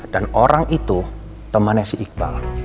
dan orang itu temannya si iqbal